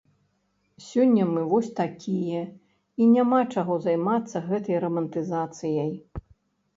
Сёння мы вось такія, і няма чаго займацца гэтай рамантызацыяй.